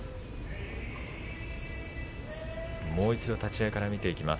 もう一度立ち合いから見ていきます。